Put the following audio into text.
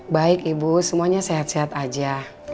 baik ibu semuanya sehat sehat aja